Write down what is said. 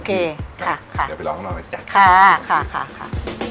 เดี๋ยวไปลองข้างนอกมาจัดค่ะค่ะ